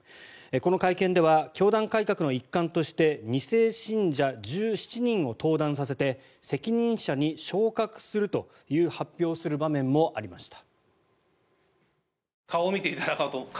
この会見では教団改革の一環として２世信者１７人を登壇させて責任者に昇格するという発表をする場面もありました。